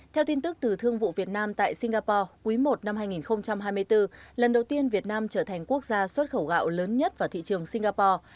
theo tin tức từ thương vụ việt nam tại singapore quý i năm hai nghìn hai mươi bốn lần đầu tiên việt nam trở thành quốc gia xuất khẩu gạo lớn nhất vào thị trường singapore